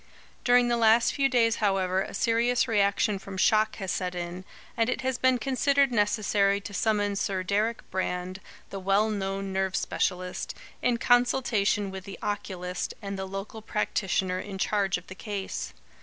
During the last few days, however, a serious reaction from shock has set in, and it has been considered necessary to summon Sir Deryck Brand, the well known nerve specialist, in consultation with the oculist and the local practitioner in charge of the case.